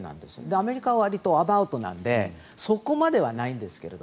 アメリカはわりとアバウトなのでそこまではないんですけど。